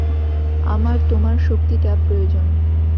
আমার তোমার শক্তিটা প্রয়োজন।